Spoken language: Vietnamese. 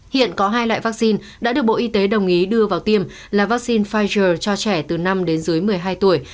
hiện có hai loại vaccine đã được bộ y tế đồng ý đưa vào tiêm là vaccine pfizer cho trẻ từ năm đến dưới một mươi hai tuổi